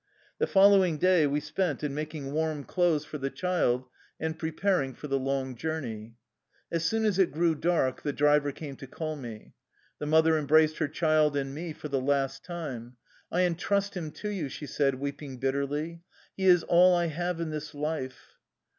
The following day we spent in making warm clothes 117 THE LIFE STORY OF A RUSSIAN EXILE for the child and preparing for the long journey. As soon as it grew dark the driver came to call me. The mother embraced her child and me for the last time. " I entrust him to you," she said, weeping bit terly. " He is all I have in this life."